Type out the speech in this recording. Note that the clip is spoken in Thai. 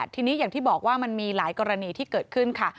ทีนี้อย่างที่บอกว่ามันมีหลายกรณีที่เกิดขึ้นค่ะ